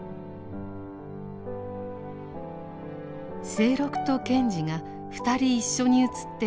清六と賢治がふたり一緒に写っている